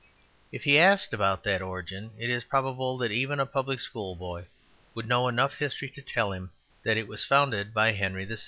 If he asked about that origin, it is probable that even a public schoolboy would know enough history to tell him that it was founded by Henry VI.